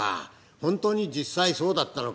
本当に実際そうだったのか。